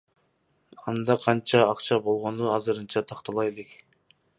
Анда канча акча болгону азырынча тактала элек.